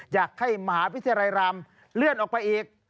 อยากให้มหาวิทยาลัยรามเลื่อนออกไปอีก